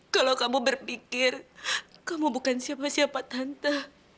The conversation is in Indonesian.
kalau kamu berpikir kamu bukan siapa siapa tante